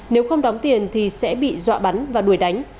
nếu không đóng tiền thì sẽ bị dọa bắn và đuổi đánh